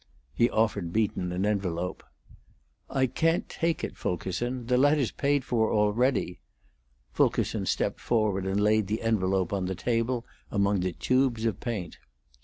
He offered Beaton an envelope. "I can't take it, Fulkerson. The letter's paid for already." Fulkerson stepped forward and laid the envelope on the table among the tubes of paint.